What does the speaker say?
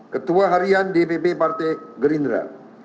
ketua harian dpp partai gerindra